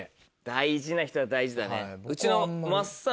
大事な人は大事だね。